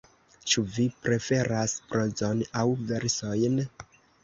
Ĉu vi preferas prozon aŭ versojn?